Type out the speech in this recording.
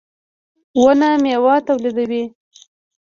• ونه مېوه تولیدوي.